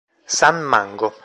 San Mango